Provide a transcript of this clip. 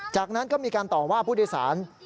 จากนั้นก็มีการต่อว่าผู้โดยสาร